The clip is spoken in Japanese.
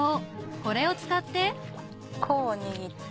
これを使ってこう握って。